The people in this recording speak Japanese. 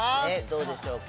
どうでしょうか？